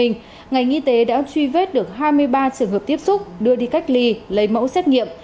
ngành y tế đã truy vết được hai mươi ba trường hợp tiếp xúc đưa đi cách ly lấy mẫu xét nghiệm